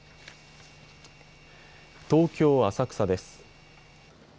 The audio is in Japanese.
東京浅草です。